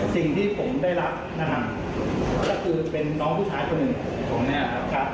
สิ่งที่ผมได้รับนะครับก็คือเป็นน้องผู้ชายคนหนึ่งผมเนี่ยครับ